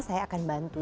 saya akan bantu